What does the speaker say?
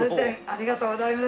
ありがとうございます。